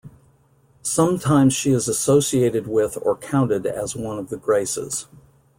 Sometimes she is associated with or counted as one of the Graces.